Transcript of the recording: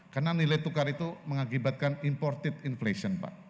karena nilai tukar itu mengakibatkan imported inflation pak